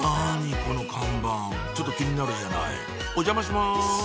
この看板ちょっと気になるじゃないお邪魔します！